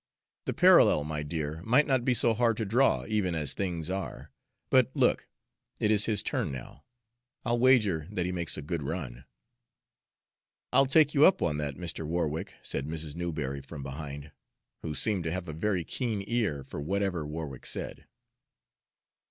The parallel, my dear, might not be so hard to draw, even as things are. But look, it is his turn now; I'll wager that he makes a good run." "I'll take you up on that, Mr. Warwick," said Mrs. Newberry from behind, who seemed to have a very keen ear for whatever Warwick said.